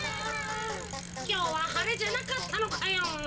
きょうははれじゃなかったのかよ。